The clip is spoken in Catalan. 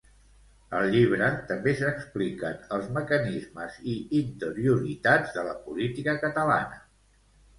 Al llibre també s'expliquen els mecanismes i interioritats de la política catalana.